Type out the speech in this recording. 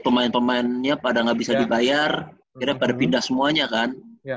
pemain pemainnya pada nggak bisa dibayar akhirnya pada pindah semuanya kan